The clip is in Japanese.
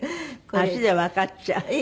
足でわかっちゃう。